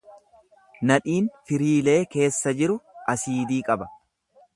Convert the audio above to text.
Nadhiin firiilee keessa jiru asiidii qaba.